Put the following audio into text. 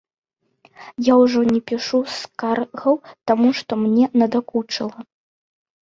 Я ўжо не пішу скаргаў, таму што мне надакучыла.